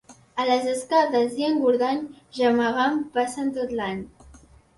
A les Escaldes i Engordany, gemegant passen tot l'any.